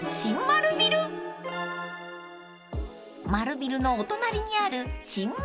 ［丸ビルのお隣にある］